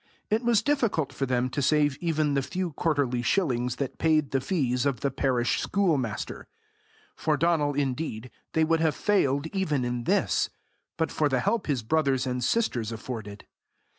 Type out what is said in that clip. It was difficult for them to save even the few quarterly shillings that paid the fees of the parish schoolmaster: for Donal, indeed, they would have failed even in this, but for the help his brothers and sisters afforded.